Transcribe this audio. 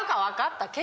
分かった。